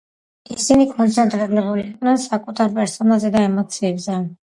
ისინი კონცენტრირებულები იყვნენ საკუთარ პერსონაზე და ემოციებზე.